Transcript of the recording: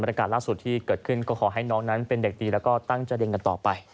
อากาศล่าสุดที่เกิดขึ้นก็ขอให้น้องนั้นเป็นเด็กดีแล้วก็ตั้งใจเรียนกันต่อไป